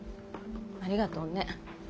ありがとうね。